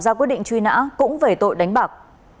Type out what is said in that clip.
ra quyết định truy nã cũng về tội đánh bạc